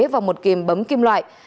và một kìm bấm kim loại